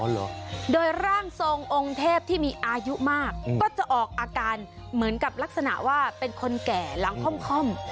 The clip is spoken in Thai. เหรอโดยร่างทรงองค์เทพที่มีอายุมากก็จะออกอาการเหมือนกับลักษณะว่าเป็นคนแก่หลังค่อม